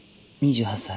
２８歳。